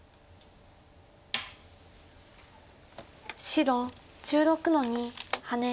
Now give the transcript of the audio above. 白１６の二ハネ。